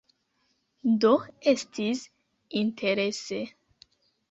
Do, estis interese